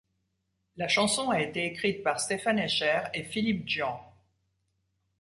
La chanson a été écrite par Stephan Eicher et Philippe Djian.